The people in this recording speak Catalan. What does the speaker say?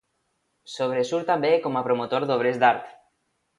Sobresurt també com a promotor d'obres d'art.